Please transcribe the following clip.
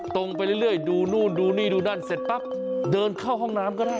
ไปเรื่อยดูนู่นดูนี่ดูนั่นเสร็จปั๊บเดินเข้าห้องน้ำก็ได้